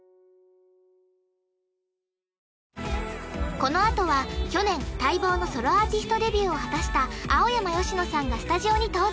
このあとは去年待望のソロアーティストデビューを果たした青山吉能さんがスタジオに登場！